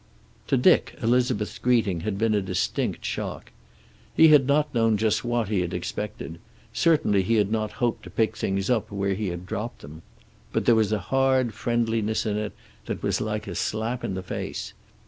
To Dick Elizabeth's greeting had been a distinct shock. He had not known just what he had expected; certainly he had not hoped to pick things up where he had dropped them. But there was a hard friendliness in it that was like a slap in the face.